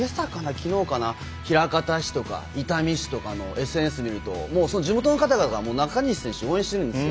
昨日かな枚方市とか伊丹市とかのＳＮＳを見ると地元の方が中西選手を応援しているんですよ。